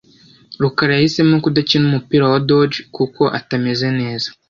rukara yahisemo kudakina umupira wa dodge kuko atameze neza .